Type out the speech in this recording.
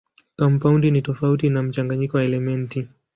Kampaundi ni tofauti na mchanganyiko wa elementi.